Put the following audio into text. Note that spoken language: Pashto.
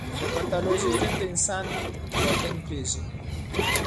د پیتالوژي علم د انسان بدن پېژني.